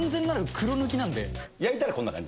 焼いたらこんな感じ。